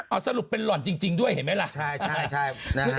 เอาสรุปเป็นหล่อนจริงจริงด้วยเห็นไหมล่ะใช่ใช่ใช่นะฮะ